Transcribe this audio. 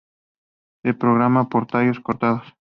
Se propaga por tallos cortados.